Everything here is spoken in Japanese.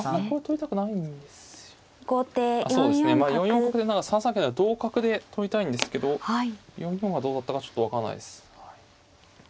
４四角なら３三桂成同角で取りたいんですけど４四がどうだったかちょっと分からないです。